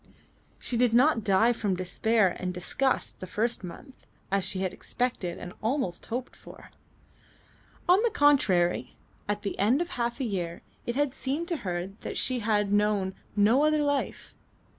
She did not die from despair and disgust the first month, as she expected and almost hoped for. On the contrary, at the end of half a year it had seemed to her that she had known no other life.